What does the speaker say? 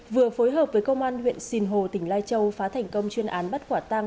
vừa phối hợp với công an huyện sinh hồ tỉnh lai châu phá thành công chuyên án bắt quả tang